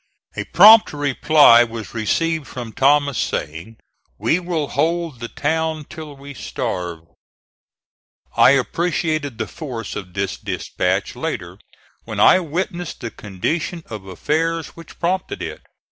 A prompt reply was received from Thomas, saying, "We will hold the town till we starve." I appreciated the force of this dispatch later when I witnessed the condition of affairs which prompted it.